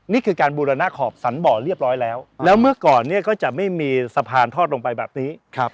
นี่คือการบูรณะขอบสันบ่อเรียบร้อยแล้วแล้วเมื่อก่อนเนี่ยก็จะไม่มีสะพานทอดลงไปแบบนี้